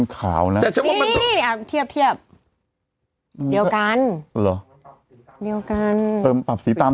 ขาวอะไร